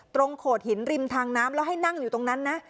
โขดหินริมทางน้ำแล้วให้นั่งอยู่ตรงนั้นนะ